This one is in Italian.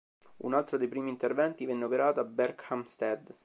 Un altro dei primi interventi venne operato a Berkhamsted.